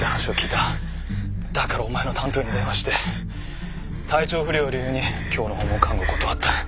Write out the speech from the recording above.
だからお前の担当医に電話して体調不良を理由に今日の訪問看護を断った。